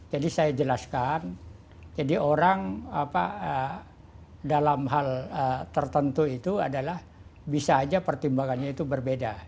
jadi saya jelaskan jadi orang apa dalam hal tertentu itu adalah bisa aja pertimbangannya itu berbeda